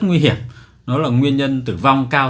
giờ tôi đã international